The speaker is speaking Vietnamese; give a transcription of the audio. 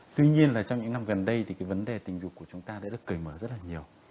tuy nhiên là trong những năm gần đây thì cái vấn đề tình dục của chúng ta đã được cởi mở rất là nhiều